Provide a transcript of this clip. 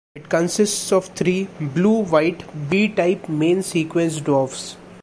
It consists of three blue-white B-type main sequence dwarfs.